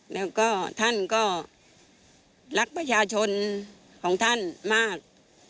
แล้วก็ท่านก็รักประชาชนของท่านมาก